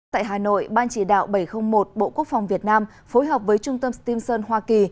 tại hà nội ban chỉ đạo bảy trăm linh một bộ quốc phòng việt nam phối hợp với trung tâm stimson hoa kỳ